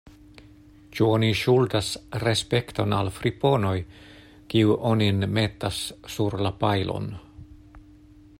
Ĉu oni ŝuldas respekton al friponoj, kiuj onin metas sur la pajlon.